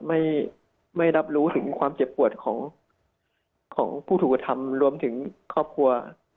ไม่ไม่รับรู้ถึงความเจ็บปวดของผู้ถูกกระทำรวมถึงครอบครัว